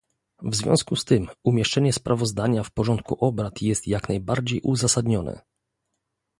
W związku z tym umieszczenie sprawozdania w porządku obrad jest jak najbardziej uzasadnione